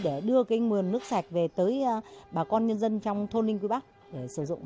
để đưa cái mườn nước sạch về tới bà con nhân dân trong thôn linh quý bắc để sử dụng